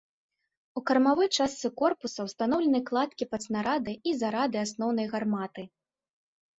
У кармавой частцы корпуса ўстаноўлены кладкі пад снарады і зарады асноўнай гарматы.